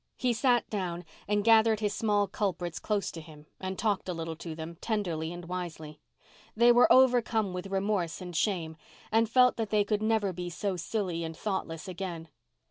He sat down and gathered his small culprits close to him and talked a little to them, tenderly and wisely. They were overcome with remorse and shame, and felt that they could never be so silly and thoughtless again.